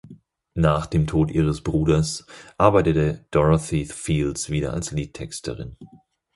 Nach dem Tod ihres Bruders arbeitete Dorothy Fields wieder als Liedtexterin.